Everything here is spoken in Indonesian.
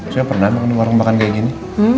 saya pernah makan warung makan kayak gini